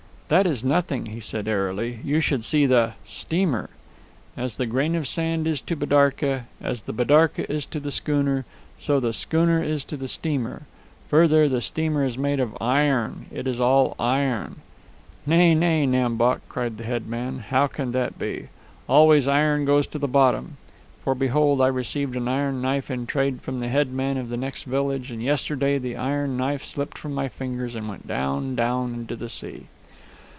"That is nothing," he said airily; "you should see the steamer. As the grain of sand is to the bidarka, as the bidarka is to the schooner, so the schooner is to the steamer. Further, the steamer is made of iron. It is all iron." "Nay, nay, Nam Bok," cried the head man; "how can that be? Always iron goes to the bottom. For behold, I received an iron knife in trade from the head man of the next village, and yesterday the iron knife slipped from my fingers and went down, down, into the sea.